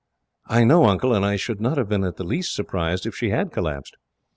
"I know, Uncle, and I should not have been in the least surprised, if she had collapsed.